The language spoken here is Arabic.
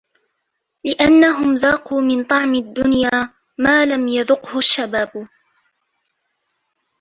لِأَنَّهُمْ ذَاقُوا مِنْ طَعْمِ الدُّنْيَا مَا لَمْ يَذُقْهُ الشَّبَابُ